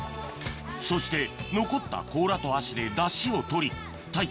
そして残った甲羅と足でダシを取り太一